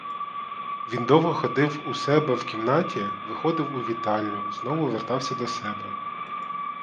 Він довго ходив у себе в кімнаті, виходив у вітальню, знову вертався до себе.